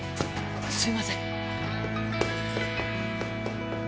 すいません